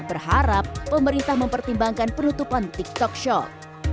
berharap pemerintah mempertimbangkan penutupan tiktok shop